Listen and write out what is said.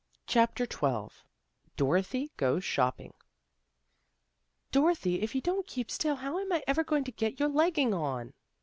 CHAPTER XII DOROTHY GOES SHOPPING " DOROTHY, if you don't keep still, how am I ever going to get your legging on?